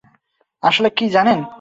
আসলে কি জানেন?